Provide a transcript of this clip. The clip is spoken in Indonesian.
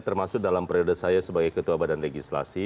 termasuk dalam periode saya sebagai ketua badan legislasi